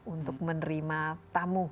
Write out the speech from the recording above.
untuk menerima tamu